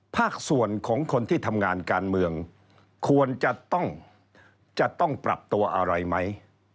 ภาคส่วนของคนที่ทำงานการเมืองควรจะต้องจะต้องปรับตัวอะไรไหม